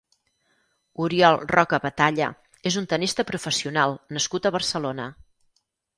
Oriol Roca Batalla és un tennista professional nascut a Barcelona.